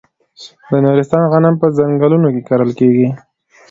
د نورستان غنم په ځنګلونو کې کرل کیږي.